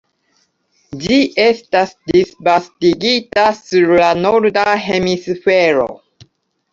Ĝi estas disvastigita sur la norda hemisfero.